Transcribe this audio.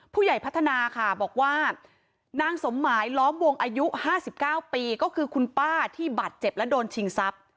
พัฒนาค่ะบอกว่านางสมหมายล้อมวงอายุ๕๙ปีก็คือคุณป้าที่บาดเจ็บและโดนชิงทรัพย์